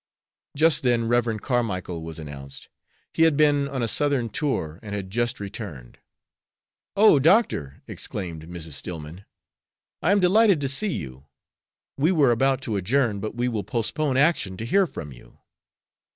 Just then Rev. Carmicle was announced. He had been on a Southern tour, and had just returned. "Oh, Doctor," exclaimed Mrs. Stillman, "I am delighted to see you. We were about to adjourn, but we will postpone action to hear from you."